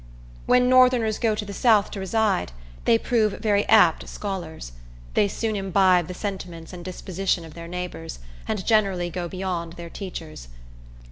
When northerners go to the south to reside, they prove very apt scholars. They soon imbibe the sentiments and disposition of their neighbors, and generally go beyond their teachers.